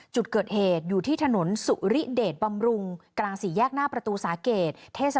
จุดเกิดเหตุอยู่ที่ถนนสุริเดชบำรุงกลางสี่แยกหน้าประตูสาเกต